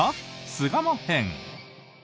巣鴨編。